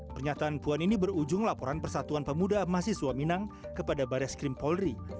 pernyataan puan ini berujung laporan persatuan pemuda masih suaminang kepada barat skrim polri